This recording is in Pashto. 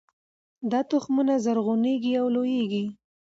دا تخمونه زرغونیږي او لوییږي